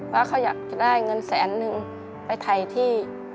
ว่าเขาอยากจะได้เงินแสนนึงไปถ่ายที่